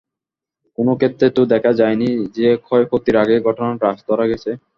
কোনো ক্ষেত্রেই তো দেখা যায়নি যে, ক্ষয়ক্ষতির আগেই ঘটনার রাশ ধরা গেছে।